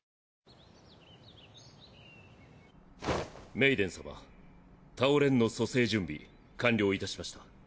メイデン様道の蘇生準備完了いたしました。